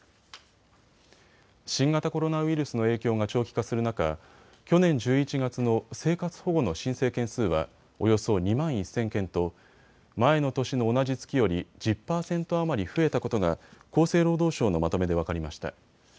新型コロナウイルスの影響が長期化する中、去年１１月の生活保護の申請件数はおよそ２万１０００件と前の年の同じ月より１０％余り増えたことが厚生労働省のまとめで分かりました。